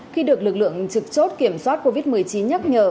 khi được lực lượng trực chốt kiểm soát covid một mươi chín nhắc nhở